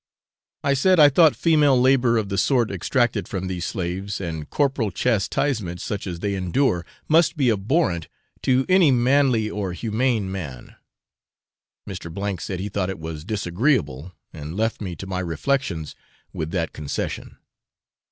I said I thought female labour of the sort exacted from these slaves, and corporal chastisement such as they endure, must be abhorrent to any manly or humane man. Mr. said he thought it was disagreeable, and left me to my reflections with that concession.